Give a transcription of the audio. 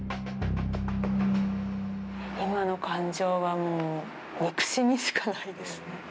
今の感情はもう、憎しみしかないです。